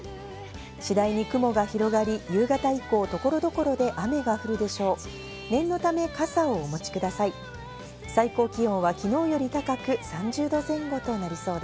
次第に雲が広がり、夕方以降、所々で雨が降るでしょう。